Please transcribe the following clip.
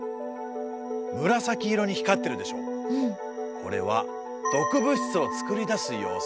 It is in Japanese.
これは毒物質を作り出す様子。